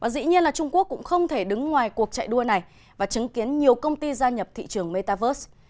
dĩ nhiên trung quốc cũng không thể đứng ngoài cuộc chạy đua này và chứng kiến nhiều công ty gia nhập thị trường metaverse